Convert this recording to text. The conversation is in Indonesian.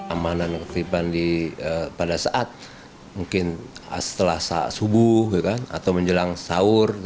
amanan ketipan pada saat mungkin setelah subuh atau menjelang sahur